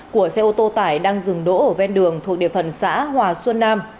của xe ô tô tải đang dừng đỗ ở ven đường thuộc địa phần xã hòa xuân nam